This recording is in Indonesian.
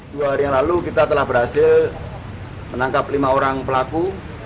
dua hari yang lalu kita telah berhasil menangkap lima orang pelaku